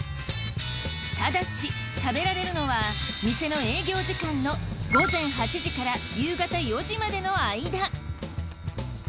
ただし食べられるのは店の営業時間の午前８時から夕方４時までの間。